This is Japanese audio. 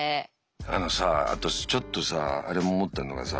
あのさあとちょっとさあれも思ったのがさ